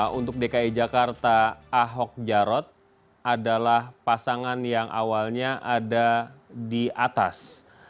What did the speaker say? nah untuk dki jakarta ahok jarot adalah pasangan yang awalnya ada di atas